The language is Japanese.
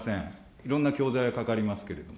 いろんな教材はかかりますけれども。